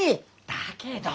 だけど。